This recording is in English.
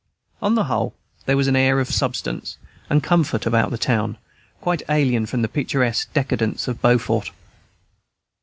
On the whole, there was an air of substance and comfort about the town, quite alien from the picturesque decadence of Beaufort.